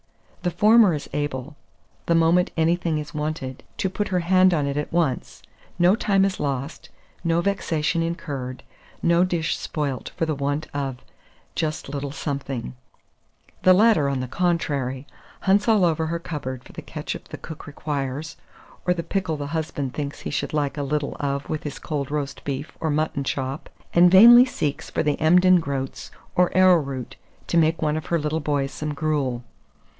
The former is able, the moment anything; is wanted, to put her hand on it at once; no time is lost, no vexation incurred, no dish spoilt for the want of "just little something," the latter, on the contrary, hunts all over her cupboard for the ketchup the cook requires, or the pickle the husband thinks he should like a little of with his cold roast beef or mutton chop, and vainly seeks for the Embden groats, or arrowroot, to make one of her little boys some gruel.